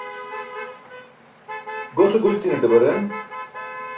Gose gulćinaṭe baren.